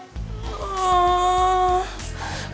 ihh buat kamu aja